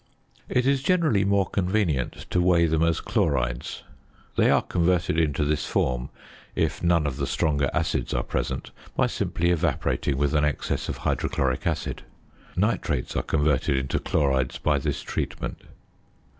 It is generally more convenient to weigh them as chlorides. They are converted into this form, if none of the stronger acids are present, by simply evaporating with an excess of hydrochloric acid. Nitrates are converted into chlorides by this treatment.